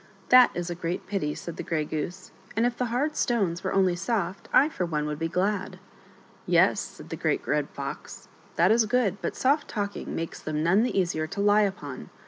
" That is a great pity," said the Grey Goose ;" and if the hard stones were only soft, I, for one, would be glad." " Yes," said the Great Red Fox, " that is good ; but soft talking makes them none the easier to lie upon.